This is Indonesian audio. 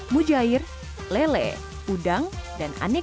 mujair lele udang dan aneka